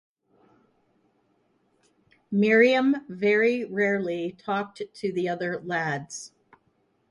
Miriam very rarely talked to the other lads.